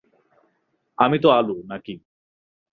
আমিতো আলু, নাকি?